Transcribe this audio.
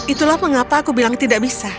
itulah mengapa aku bilang tidak bisa